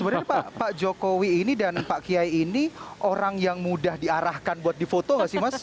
sebenarnya pak jokowi ini dan pak kiai ini orang yang mudah diarahkan buat di foto gak sih mas